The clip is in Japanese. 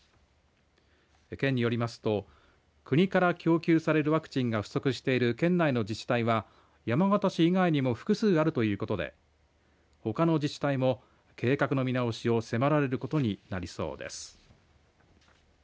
県によりますと国から供給されるワクチンが不足している県内の自治体は山形市以外にも複数あるということでほかの自治体も計画の見直しを迫られることになりそうです。